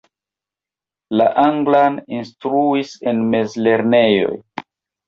La anglan instruis en mezlernejoj.